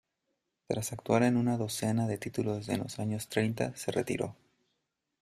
Tras actuar en una docena de títulos en los años treinta, se retiró.